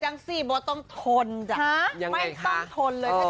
จังสิโบต้นทนอย่างนี้ไม่ต้องทนเลย